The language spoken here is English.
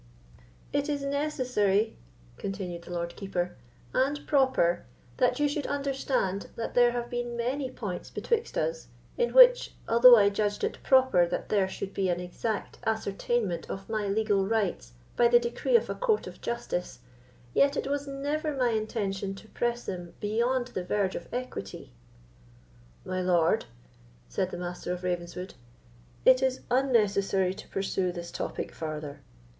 "It is necessary," continued the Lord Keeper, "and proper that you should understand, that there have been many points betwixt us, in which, although I judged it proper that there should be an exact ascertainment of my legal rights by the decree of a court of justice, yet it was never my intention to press them beyond the verge of equity." "My lord," said the Master of Ravenswood, "it is unnecessary to pursue this topic farther.